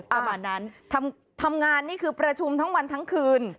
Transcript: ประมาณนั้นทำงานนี่คือประชุมทั้งวันทั้งคืน